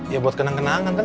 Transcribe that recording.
ya buat kenang kenangan kan